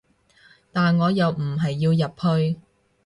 但我又唔係要入去